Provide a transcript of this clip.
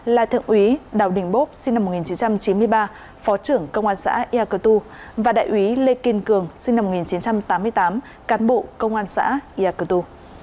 là thượng úy đào đình bốp sinh năm một nghìn chín trăm chín mươi ba phó trưởng công an xã ea tiêu và đại úy lê kiên cường sinh năm một nghìn chín trăm tám mươi tám cán bộ công an xã ea tiêu